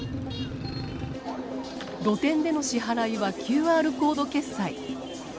露店での支払いはＱＲコード決済。